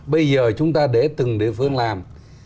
bây giờ chúng ta để từng địa phương làm